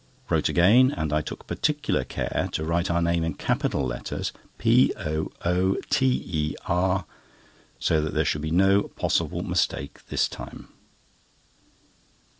Wrote again and I took particular care to write our name in capital letters, POOTER, so that there should be no possible mistake this time.